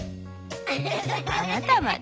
「あなたまで？」。